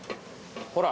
ほら。